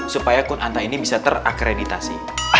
supaya kun anta ini bisa terakreditasi